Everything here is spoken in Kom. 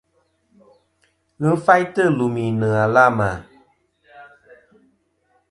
Ghɨ faytɨ lùmì nɨ̀ àlamà.